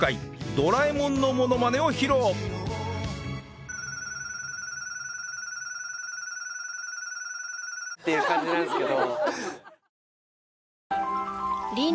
ドラえもんのモノマネを披露っていう感じなんですけど。